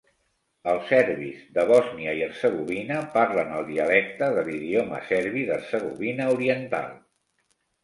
Els serbis de Bòsnia i Hercegovina parlen el dialecte de l'idioma serbi d'Hercegovina oriental.